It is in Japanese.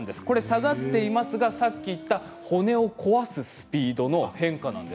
下がっていますが、さっき言った骨を壊すスピードの変化なんです。